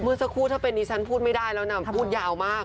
สักครู่ถ้าเป็นดิฉันพูดไม่ได้แล้วนะพูดยาวมาก